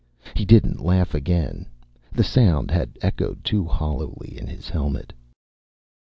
He didn't laugh again. The sound had echoed too hollowly in his helmet.